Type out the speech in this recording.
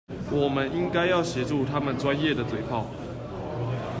我們應該要協助他們專業的嘴砲